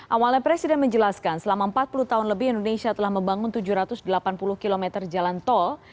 awalnya presiden menjelaskan selama empat puluh tahun lebih indonesia telah membangun tujuh ratus delapan puluh km jalan tol